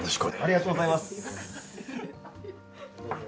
ありがとうございます。